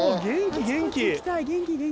元気元気！